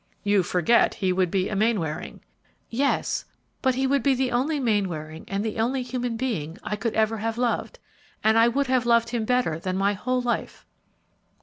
"You forget; he would be a Mainwaring!" "Yes; but he would be the only Mainwaring and the only human being I could ever have loved, and I would have loved him better than my own life."